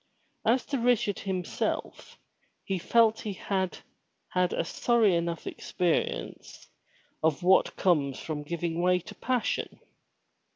As to Richard himself he felt that he had had a sorry enough experience of what comes from giving way to passion.